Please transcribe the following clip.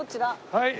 はい。